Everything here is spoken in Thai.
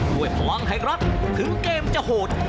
ด้วยพลังแห่งรักถึงเกมจะโหด